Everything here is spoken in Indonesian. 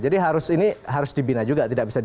jadi ini harus dibina juga